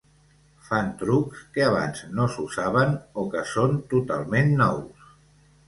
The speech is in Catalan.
Fan trucs que abans no s'usaven o que són totalment nous.